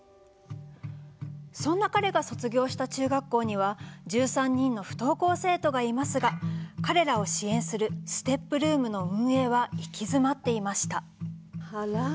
そんな彼が卒業した中学校には１３人の不登校生徒がいますが彼らを支援するステップルームの運営は行き詰まっていました。